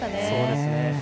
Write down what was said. そうですね。